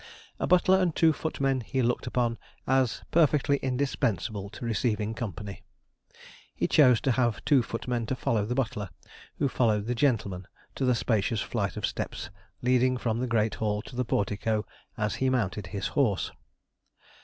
A butler and two footmen he looked upon as perfectly indispensable to receiving company. He chose to have two footmen to follow the butler, who followed the gentleman to the spacious flight of steps leading from the great hall to the portico, as he mounted his horse.